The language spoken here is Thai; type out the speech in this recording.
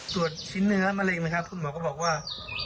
ตรวจชิ้นเนื้อมะเร็งคุณหมอก็บอกว่า